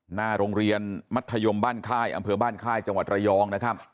หน้าโรงเรียนมัธยมบ้านค่ายอำเภอบ้านค่ายจังหวัดระยองนะครับ